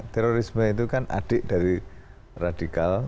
terorisme itu kan adik dari radikal